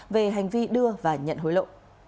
và nhận hối lộ